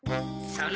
それ！